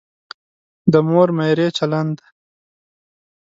د مور میرې چلند.